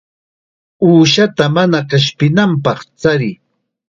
Uushata mana qishpinanpaq chariy.